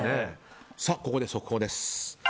ここで速報です。